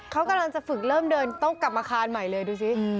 เขากำลังจะฝึกเริ่มเดินต้องกลับมาคานใหม่เลยดูสิ